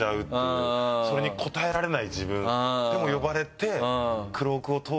それに応えられない自分でも呼ばれて。